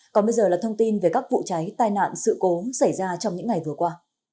còn bây giờ là thông tin về các vụ cháy tai nạn sự cố xảy ra trong những ngày vừa qua